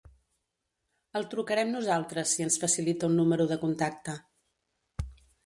El trucarem nosaltres si ens facilita un número de contacte.